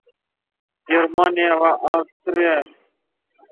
Germaniya va Avstriya olimlari chapaqaylar bilan tadqiqotlar oʻtkazishdi.